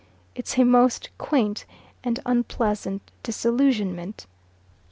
It's a most quaint and unpleasant disillusionment.